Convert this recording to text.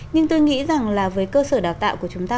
nhưng tôi nghĩ rằng là với cơ sở đào tạo của chúng ta